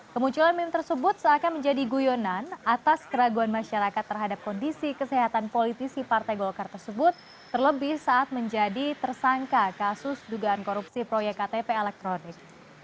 kemunculan meme tersebut seakan menjadi guyonan atas keraguan masyarakat terhadap kondisi kesehatan politisi partai golkar tersebut terlebih saat menjadi tersangka kasus dugaan korupsi proyek ktp elektronik